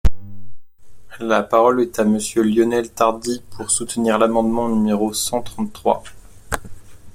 La parole est à Monsieur Lionel Tardy, pour soutenir l’amendement numéro cent trente-trois.